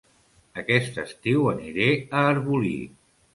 Aquest estiu aniré a Arbolí